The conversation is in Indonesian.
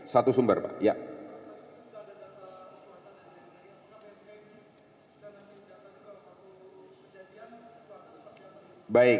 satu sumber pak ya